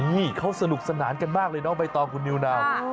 นี่เค้าสนุกสนานกันมากเลยมาต่อด้านคุณนิวนัฐ